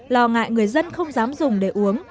lo ngại người dân không dám dùng để uống